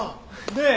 ねえ。